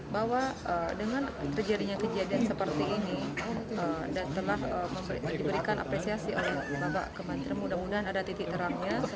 bahwa dengan kejadian kejadian seperti ini dan telah diberikan apresiasi oleh bapak kementerian mudah mudahan ada titik terangnya